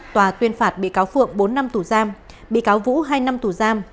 tòa tuyên phạt bị cáo phượng bốn năm tù giam bị cáo vũ hai năm tù giam